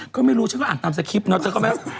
ก็ไม่รู้ฉันก็อ่านตามสกิฟต์เนอะเธอก็ไม่รู้